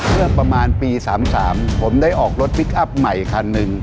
เมื่อประมาณปี๓๓ผมได้ออกรถพลิกอัพใหม่คันหนึ่ง